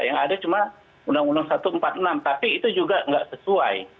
yang ada cuma undang undang satu ratus empat puluh enam tapi itu juga nggak sesuai